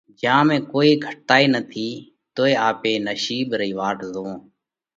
جيا ۾ ڪوئي گھٽتائِي نٿِي۔ توئي آپي نشِيٻ رئي واٽ زوئونه